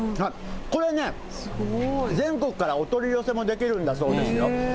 これね、全国からお取り寄せもできるんだそうですよ。